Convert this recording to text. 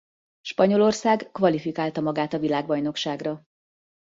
Spanyolország kvalifikálta magát a világbajnokságra.